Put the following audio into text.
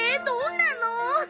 どんなの？